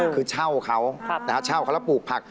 คือเช่าเขาเช่าเขาแล้วปลูกผัก